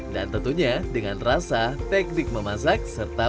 dan tentunya dengan rasa teknik memasak serta perasaan